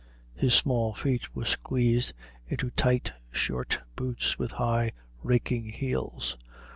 His small feet were squeezed into tight, short boots, with high, raking heels.